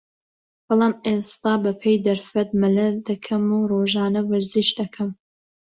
بەڵام ئێستا بە پێی دەرفەت مەلە دەکەم و رۆژانە وەرزش دەکەم